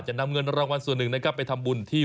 นำเงินรางวัลส่วนหนึ่งนะครับไปทำบุญที่